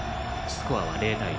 スコアは０対０。